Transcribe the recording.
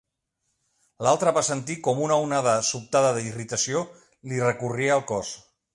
L'altre va sentir com una onada sobtada d'irritació li recorria el cos.